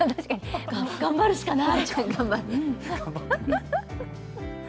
頑張るしかない！